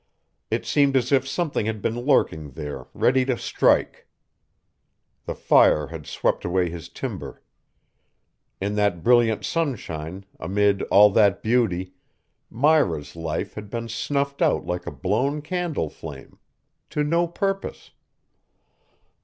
It seemed as if something had been lurking there ready to strike. The fire had swept away his timber. In that brilliant sunshine, amid all that beauty, Myra's life had been snuffed out like a blown candle flame to no purpose.